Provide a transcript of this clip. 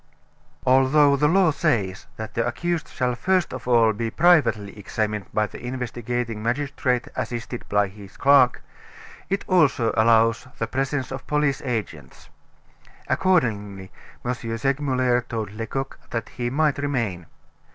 Although the law says that the accused shall first of all be privately examined by the investigating magistrate assisted by his clerk, it also allows the presence of police agents. Accordingly, M. Segmuller told Lecoq that he might remain.